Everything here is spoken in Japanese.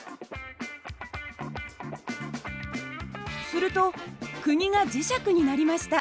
すると釘が磁石になりました。